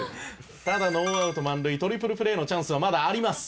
「まだノーアウト満塁」「トリプルプレーのチャンスはまだあります」